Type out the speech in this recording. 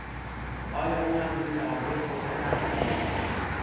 آیا او هم زیر ابروی خود را بر میدارد؟